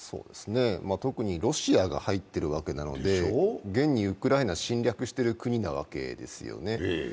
特にロシアが入ってるわけなので、現にウクライナ侵略している国名和家ですね。